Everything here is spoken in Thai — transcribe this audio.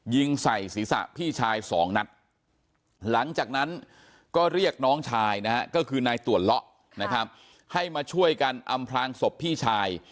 ยิงใส่ศีรษะพี่ชายสองนัดหลังจากนั้นก็เรียกน้องชายนะฮะก็คือนายตั่วเลาะนะครับให้มาช่วยกันอำพลางศพพี่ชาย